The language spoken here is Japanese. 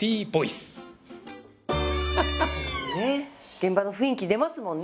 現場の雰囲気出ますもんね